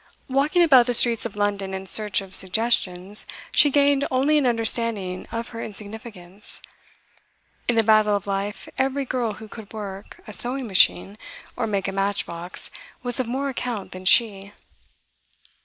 Walking about the streets of London in search of suggestions, she gained only an understanding of her insignificance. In the battle of life every girl who could work a sewing machine or make a matchbox was of more account than she.